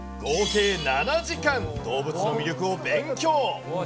合計７時間、動物の魅力を勉強。